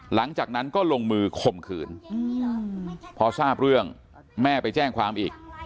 หลังจากนั้นก็ลงมือข่มขืนพอทราบเรื่องแม่ไปแจ้งความอีก